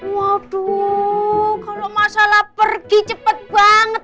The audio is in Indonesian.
waduh kalau masalah pergi cepet banget